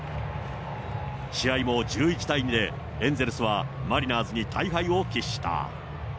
試合も１１対２で、エンゼルスはマリナーズに大敗を喫した。